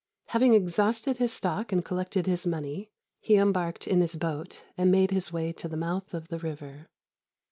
Having exhausted his stock and collected his money, he embarked in his boat and made his way to the mouth of the river.